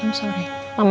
mama yang minta mereka